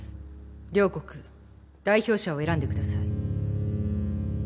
両国代表者を選んでください。